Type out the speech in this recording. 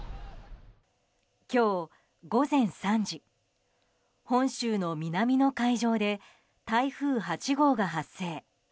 今日午前３時、本州の南の海上で台風８号が発生。